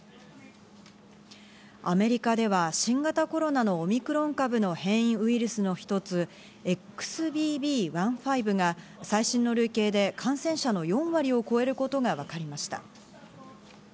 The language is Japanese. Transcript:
アメリカでは新型コロナのオミクロン株の変異ウイルスの一つ、ＸＢＢ．１．５が最新の推計で感染者の４割を超えることがわかりました。